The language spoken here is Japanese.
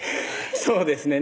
そうですね